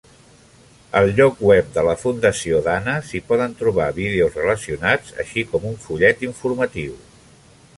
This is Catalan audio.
Al lloc web de la Fundació Dana s'hi poden trobar vídeos relacionats, així com un fullet informatiu.